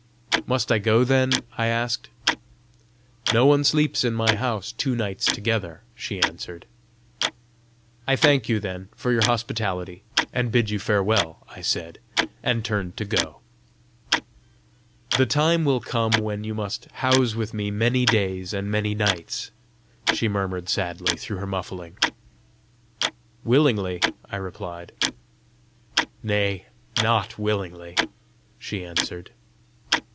"Must I go, then?" I asked. "No one sleeps in my house two nights together!" she answered. "I thank you, then, for your hospitality, and bid you farewell!" I said, and turned to go. "The time will come when you must house with me many days and many nights," she murmured sadly through her muffling. "Willingly," I replied. "Nay, NOT willingly!" she answered.